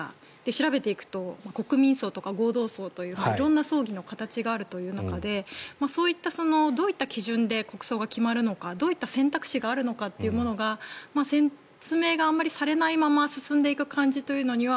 調べていくと国民葬とか合同葬という色んな葬儀の形がある中でそういったどういった基準で国葬が決まるのかどういった選択肢があるのかというものが説明があまりされないまま進んでいく感じというのには